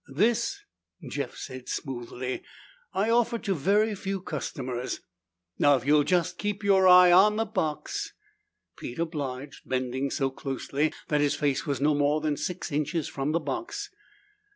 "This," Jeff said smoothly, "I offer to very few customers. Now if you'll just keep your eye on the box " Pete obliged, bending so closely that his face was no more than six inches from the box.